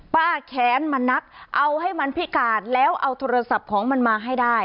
แค้นมานักเอาให้มันพิการแล้วเอาโทรศัพท์ของมันมาให้ได้